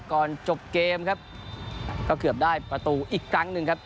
ก่อนจบเกมครับก็เกือบได้ประตูอีกครั้งหนึ่งครับ